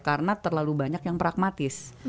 karena terlalu banyak yang pragmatis